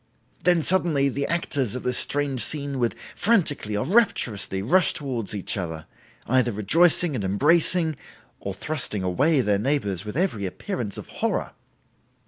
Then suddenly the actors of this strange scene would frantically or rapturously rush towards each other, either rejoicing and embracing or thrusting away their neighbors with every appearance of horror.